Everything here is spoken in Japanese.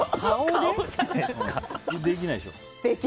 できないでしょ？